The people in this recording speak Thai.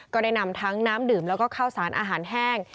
ก็ได้นำทั้งน้ำดื่มแล้วก็ข้าวสารอาหารแห้ง